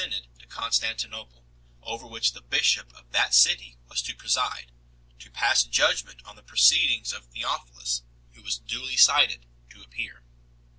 Salas at Constanti nople, 530, synod to Constantinople, over which the bishop of that city was to preside, to pass judgment on the proceedings of Theophilus, who was duly cited to appear.